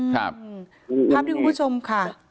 ครับที่คุณผู้ชมค่ะ